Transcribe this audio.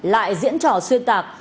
lại diễn trò xuyên tạc